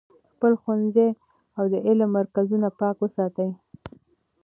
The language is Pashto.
خپل ښوونځي او د علم مرکزونه پاک وساتئ.